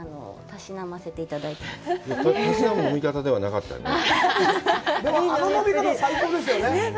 たしなませていただいてます。